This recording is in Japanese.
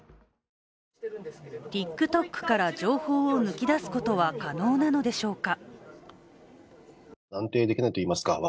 ＴｉｋＴｏｋから情報を抜き出すことは可能なのでしょうか。